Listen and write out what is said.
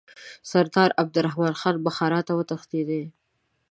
سردار عبدالرحمن خان بخارا ته وتښتېدی.